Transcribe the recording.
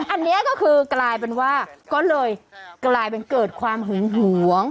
อันนี้ก็คือกลายเป็นว่าก็เลยกลายเป็นเกิดความหึงหวง